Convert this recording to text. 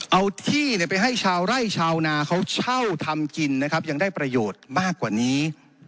เอาที่ไปให้ชาวไร่ชาวนาเขาเช่าทำกินนะครับยังได้ประโยชน์มากกว่านี้